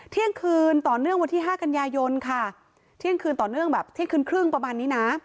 เที่ยงคืนต่อเนื่องวันที่ห้ากันยายนค่ะเที่ยงคืนต่อเนื่องแบบเที่ยงคืนครึ่งประมาณนี้นะ